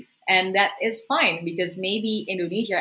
dan itu baik karena mungkin indonesia